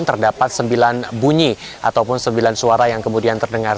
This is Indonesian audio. terdapat sembilan bunyi ataupun sembilan suara yang kemudian terdengar